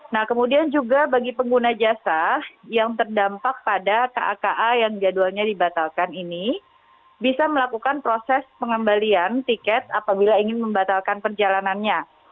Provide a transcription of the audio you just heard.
nah kemudian juga bagi pengguna jasa yang terdampak pada kaka yang jadwalnya dibatalkan ini bisa melakukan proses pengembalian tiket apabila ingin membatalkan perjalanannya